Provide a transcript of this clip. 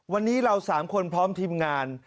วันนี้เรา๓คนพร้อมทีมงาน